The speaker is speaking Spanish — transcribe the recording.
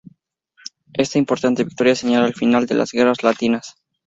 Esta importante victoria señala el final de las guerras latinas.